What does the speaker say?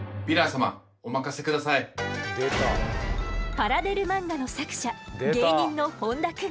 パラデル漫画の作者芸人の本多くん。